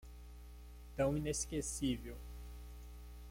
Tão inesquecível